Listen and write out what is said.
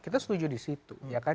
kita setuju disitu